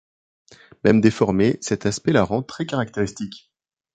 Même déformée, cet aspect la rend très caractéristique.